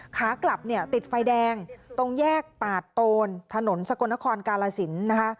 ขากลับติดไฟแดงตรงแยกปาดโตนถนนสกลนครกาลสิน